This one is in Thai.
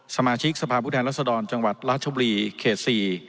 สมาชิกสภาพผู้แทนรัศดรจังหวัดราชบุรีเขต๔